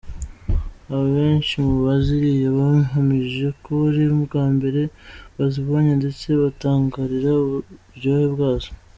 Abenshi mubaziriye bahamije ko ari ubwa mbere bazibonye ndetse batangarira uburyohe bwazo.